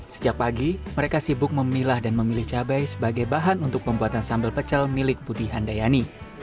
sejak pagi mereka sibuk memilah dan memilih cabai sebagai bahan untuk pembuatan sambal pecel milik budi handayani